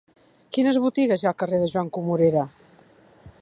Quines botigues hi ha al carrer de Joan Comorera?